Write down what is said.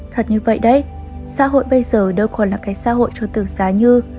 thật như vậy đấy xã hội bây giờ đâu còn là cái xã hội cho từ xa như